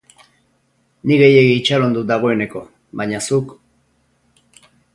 Nik gehiegi itxaron dut dagoeneko, baina zuk...